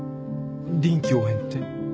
臨機応変って？